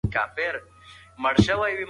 سیاستوال تل په داسې لارو چارو سمبال وي.